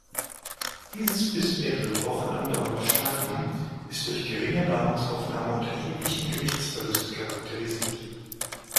Dieses bis mehrere Wochen andauernde Stadium ist durch geringe Nahrungsaufnahme und erheblichen Gewichtsverlust charakterisiert.